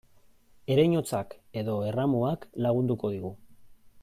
Ereinotzak edo erramuak lagunduko digu.